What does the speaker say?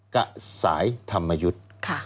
กับสายธรรมยุทธ์